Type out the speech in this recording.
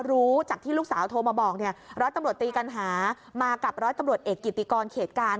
รู้จากที่ลูกสาวโทรมาบอกเนี่ยร้อยตำรวจตีกัณหามากับร้อยตำรวจเอกกิติกรเขตการ